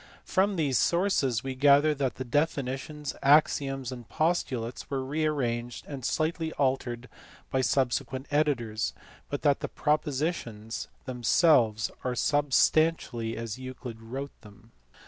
From these sources we gather that the definitions, axioms, and postulates were re arranged and slightly altered by subsequent editors, but that the propositions themselves are substantially as Euclid wrote them.